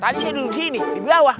tadi saya duduk di sini di bawah